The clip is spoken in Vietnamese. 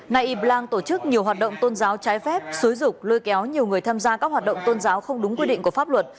nay y blan tổ chức nhiều hoạt động tôn giáo trái phép xúi dục lôi kéo nhiều người tham gia các hoạt động tôn giáo không đúng quy định của pháp luật